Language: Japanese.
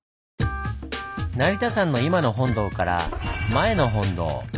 成田山の今の本堂から「前の本堂」